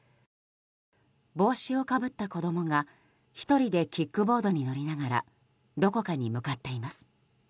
帽子をかぶった子供が１人でキックボードに乗りながらどこかに向かっています。